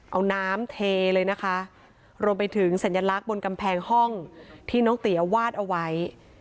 เอาน้ำเทเลยนะคะรวมไปถึงสัญลักษณ์บนกำแพงห้องที่น้องเตี๋ยวาดเอาไว้